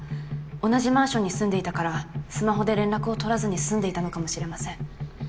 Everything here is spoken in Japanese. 同じマンションに住んでいたからスマホで連絡を取らずに済んでいたのかもしれません。